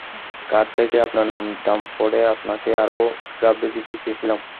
Card থেকে আপনার নাম ধাম পড়ে আপনাকে আরও ঘাবড়ে দিতে চেয়েছিলাম।